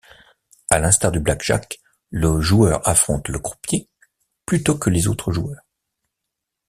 À l'instar du blackjack le joueur affronte le croupier, plutôt que les autres joueurs.